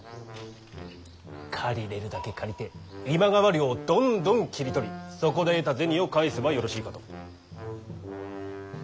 借りれるだけ借りて今川領をどんどん切り取りそこで得た銭を返せばよろしいかと。